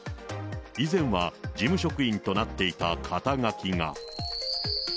以前は事務職員となっていた肩書が。